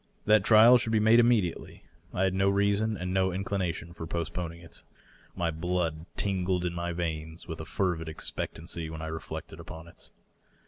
That trial should be made immediately. I had no reason and no inclination for postponing it. My blood tingled in my veins with a fervid expectancy when I re flected upon it.